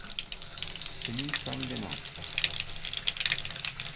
Tenir sang de nap.